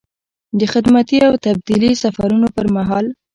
د خدمتي او تبدیلي سفرونو پر مهال.